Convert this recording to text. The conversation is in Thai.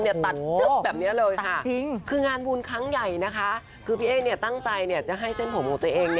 ตัดจึ๊บแบบนี้เลยค่ะคืองานบุญครั้งใหญ่นะคะคือพี่เอ๊ตั้งใจจะให้เส้นผมของตัวเอง